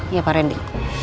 iya pak randy